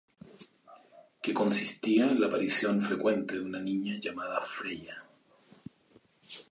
Que consistía en la aparición frecuente de una niña llamada Freya.